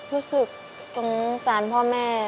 รู้สึกสงสารพ่อแม่